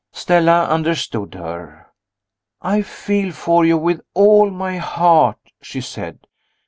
Stella understood her. "I feel for you with all my heart," she said.